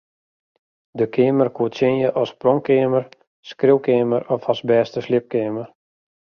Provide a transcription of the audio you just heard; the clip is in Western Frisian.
Der keamer koe tsjinje as pronkkeamer, skriuwkeamer of as bêste sliepkeamer.